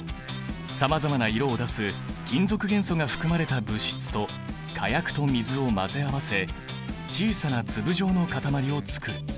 さまざまな色を出す金属元素が含まれた物質と火薬と水を混ぜ合わせ小さな粒状の固まりをつくる。